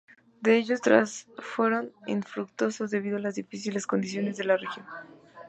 De ellos, tres fueron infructuosos debido a las difíciles condiciones de la región.